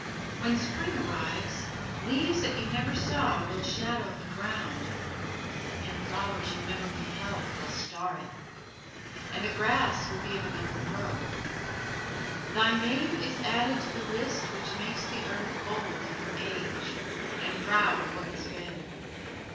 When Spring arrives, leaves that you never saw will shadow the ground, and flowers you never beheld will star it, and the grass will be of another growth. Thy name is added to the list which makes the earth bold in her age, and proud of what has been.